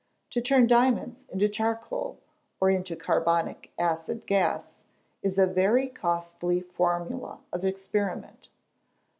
To turn diamonds into charcoal, or into carbonic acid gas, is a very costly formula of experiment.